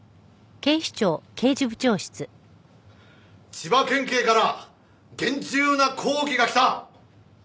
千葉県警から厳重な抗議がきた。